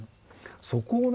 そこをね